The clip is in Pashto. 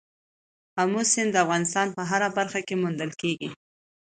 آمو سیند د افغانستان په هره برخه کې موندل کېږي.